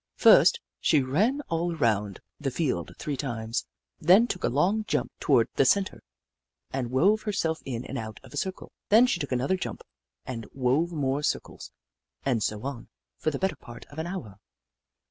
First, she ran all around the field three times, then took a long jump toward the cen tre, and wove herself in and out in a circle. Then she took another jump and wove more circles, and so on, for the better part of an hour.